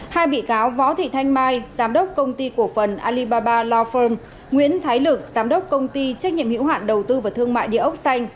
hai bị cáo võ thị thanh mai giám đốc công ty của phần alibaba law firm nguyễn thái lực giám đốc công ty trách nhiệm hữu hạn đầu tư và thương mại địa ốc xanh